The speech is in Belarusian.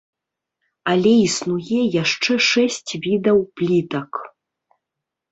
Але існуе яшчэ шэсць відаў плітак.